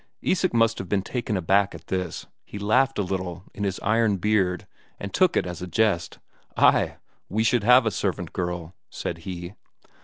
Isak must have been taken aback at this; he laughed a little in his iron beard, and took it as a jest. "Ay, we should have a servant girl," said he.